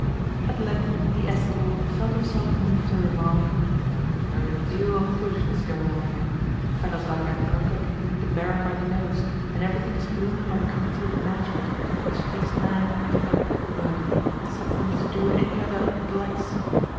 At length the escort felt himself moved to remark: "There is a deal of foolishness going on here. Fellows like that drunkard lead the barin by the nose, and everything is ruled by the Committee of Management, which takes men from their proper work, and sets them to do any other it likes.